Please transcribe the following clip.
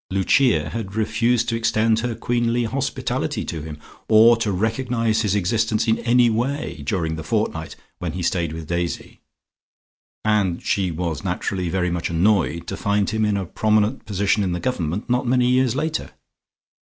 Lucia had refused to extend her queenly hospitality to him, or to recognise his existence in any way during the fortnight when he stayed with Daisy, and she was naturally very much annoyed to find him in a prominent position in the Government not many years later.